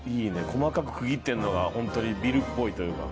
細かく区切ってるのが本当にビルっぽいというか。